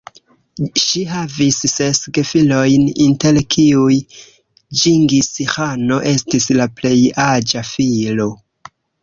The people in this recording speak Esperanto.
Ŝi havis ses gefilojn, inter kiuj Ĝingis-Ĥano estis la plej aĝa filo.